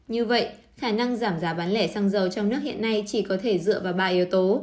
như vậy khả năng giảm giá bán lẻ xăng dầu trong nước hiện nay chỉ có thể dựa vào ba yếu tố